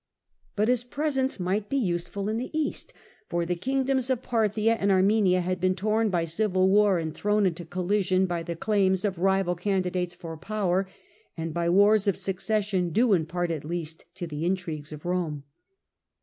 But his presence 52 The Earlier Empire. a.d. 14 37. miglit be useful in the East, for the kingdoms of Parthia and Armenia had been torn by civil war and thrown into collision by the claims of rival candidates for power, and by wars of succession due in part at least to the intrigues of Rome.